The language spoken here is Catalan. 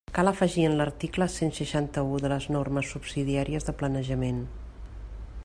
Cal afegir en l'article cent seixanta-u de les Normes subsidiàries de planejament.